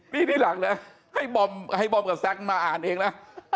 นี่ทีหลังเลยให้บอมกับแซคมาอ่านเองนะ